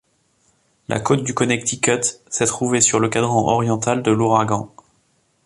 La côte du Connecticut s'est trouvée sur le quadrant oriental de l'ouragan.